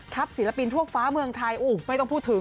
ศิลปินทั่วฟ้าเมืองไทยไม่ต้องพูดถึง